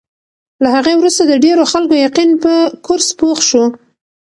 له هغې وروسته د ډېرو خلکو یقین په کورس پوخ شو.